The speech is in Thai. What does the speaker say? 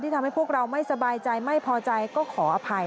ทำให้พวกเราไม่สบายใจไม่พอใจก็ขออภัย